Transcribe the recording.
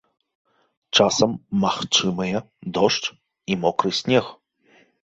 Часам магчымыя дождж і мокры снег.